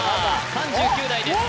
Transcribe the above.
３９代です